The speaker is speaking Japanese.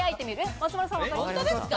松丸さんわかりますか？